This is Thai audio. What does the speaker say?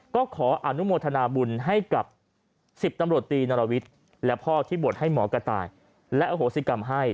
ก็ขออนุโมทนาบุญให้กับ๑๐ตำรวจตีนรวิทย์และพ่อที่บวชให้หมอกระต่ายและอโหสิกรรมให้